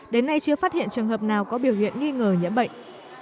đến nay chưa phát hiện trường hợp nào có biểu hiện nghi ngờ nhiễm bệnh